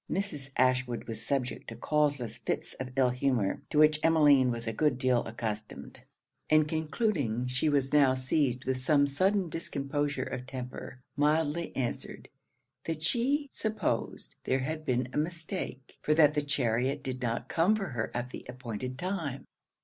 Mrs. Ashwood was subject to causeless fits of ill humour, to which Emmeline was a good deal accustomed; and concluding she was now seized with some sudden discomposure of temper, mildly answered, 'That she supposed there had been a mistake; for that the chariot did not come for her at the appointed time.'